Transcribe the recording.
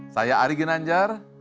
saya ari ginanjar